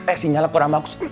eh sinyalnya kurang bagus